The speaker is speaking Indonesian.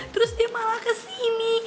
terus dia malah kesini